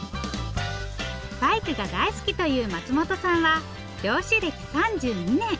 バイクが大好きという松本さんは漁師歴３２年。